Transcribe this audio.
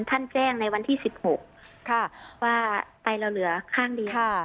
ท่านแจ้งในวันที่สิบหกค่ะว่าไตเราเหลือข้างเดียวค่ะ